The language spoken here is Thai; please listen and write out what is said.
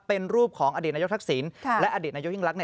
เป็นรูปของอดีตนายกทักษิณและอดีตนายกยิ่งรัก